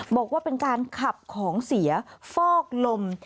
บอกว่าเป็นการขับของเสียฟอกลม